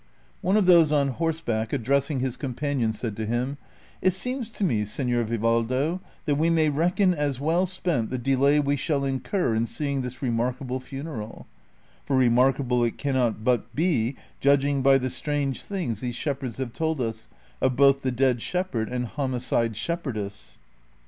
One of those on horseback addressing his companion said to him, " It seems to me, Seiior Vivaldo, that we may reckon as well spent the delay we shall incur in seeing this remarkable funeral, for remarkable it cannot but be judging by the strange things these shepherds have told ns, of both the dead shepherd and homicide shepherdess."